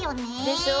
でしょ！